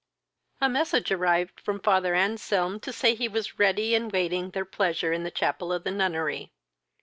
A message arrived from father Anselm to say he was ready, and waiting their pleasure in the chapel of the nunnery.